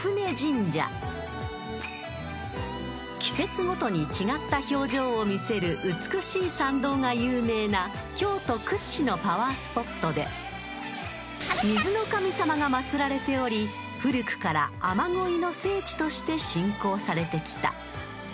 ［季節ごとに違った表情を見せる美しい参道が有名な京都屈指のパワースポットで水の神様が祭られており古くから雨乞いの聖地として信仰されてきた］